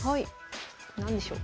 何でしょう。